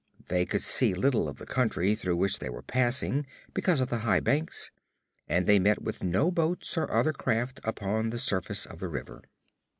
They could see little of the country through which they were passing, because of the high banks, and they met with no boats or other craft upon the surface of the river.